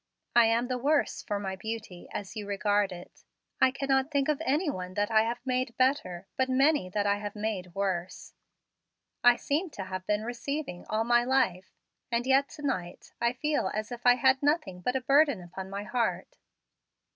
I am the worse for my beauty, as you regard it. I cannot think of any one that I have made better; but many that I have made worse. I seem to have been receiving all my life, and yet to night I feel as if I had nothing but a burden upon my heart."